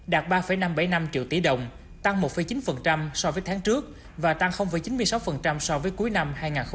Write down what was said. đạt ba năm trăm bảy mươi năm triệu tỷ đồng tăng một chín so với tháng trước và tăng chín mươi sáu so với cuối năm hai nghìn một mươi tám